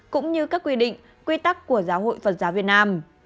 cũng như các quy định quy tắc của giáo hội phật giáo việt nam